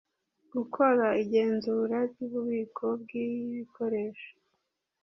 gukora igenzura ry ububiko bw ibikoresho